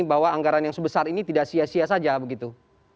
bahwa anggaran yang sebesar ini tidak sia sia saja begitu